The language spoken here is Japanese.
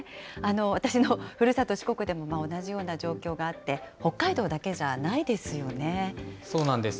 私のふるさと、四国でも同じような状況があって、北海道だけじゃそうなんです。